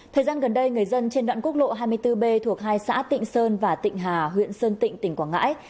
thời gian gần đây người dân trên đoạn quốc lộ hai mươi bốn b thuộc hai xã tịnh sơn và tịnh hà huyện sơn tịnh tỉnh quảng ngãi